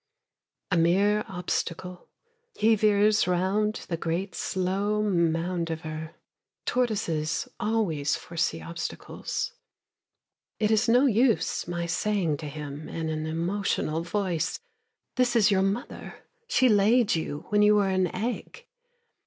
A mere obstacle, He veers round the slow great mound of her. Tortoises always foresee obstacles. It is no use my saying to him in an emotional voice: "This is your Mother, she laid you when you were an egg."